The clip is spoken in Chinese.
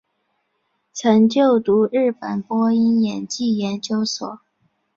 曾就读日本播音演技研究所。